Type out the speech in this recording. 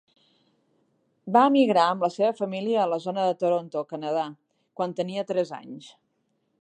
Va emigrar amb la seva família a la zona de Toronto (Canadà) quan tenia tres anys.